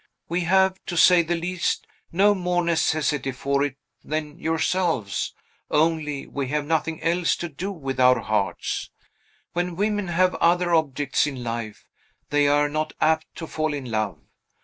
We have, to say the least, no more necessity for it than yourselves; only we have nothing else to do with our hearts. When women have other objects in life, they are not apt to fall in love.